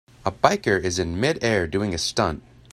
A biker is in midair doing a stunt.